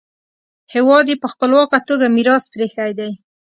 هېواد یې په خپلواکه توګه میراث پریښی دی.